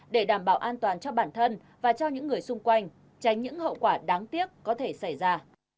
để đảm bảo an toàn cho bản thân và cho những người xung quanh tránh những hậu quả đáng tiếc có thể xảy ra